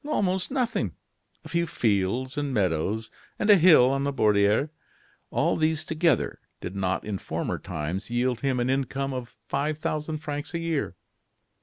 Almost nothing. A few fields and meadows and a hill on the Borderie. All these together did not in former times yield him an income of five thousand francs a year."